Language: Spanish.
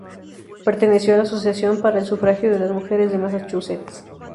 Perteneció a la Asociación para el Sufragio de las Mujeres de Massachusetts.